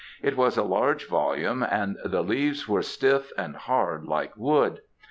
It was a large volume, and the leaves were stiff and hard like wood.